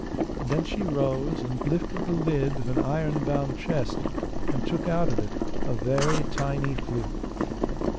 Then she rose and lifted the lid of an iron bound chest, and took out of it a very tiny flute.